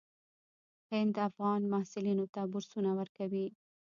هند افغان محصلینو ته بورسونه ورکوي.